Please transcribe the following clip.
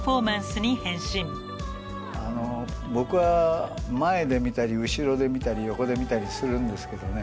僕は前で見たり後ろで見たり横で見たりするんですけどね。